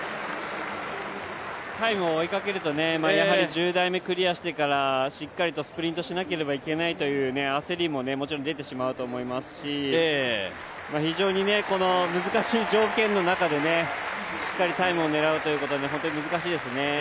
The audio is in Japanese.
タイムを追いかけると、１０台目クリアしてからしっかりとスプリントしなければいけないという焦りももちろん出てしまうと思いますし非常に難しい条件の中で、しっかりタイムを狙うということは本当に難しいですね。